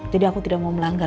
jadi aku tidak mau melanggar